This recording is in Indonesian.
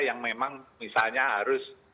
yang memang misalnya harus